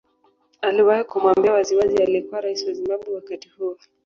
Aliwahi kumwambia waziwazi aliyekuwa rais wa Zimbabwe wakati huo